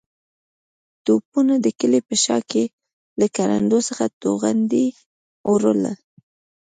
توپونو د کلي په شا کې له کروندو څخه توغندي اورول.